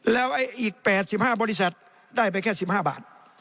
แล้วอีก๘๕บริษัทได้ไปแค่๑๕บาท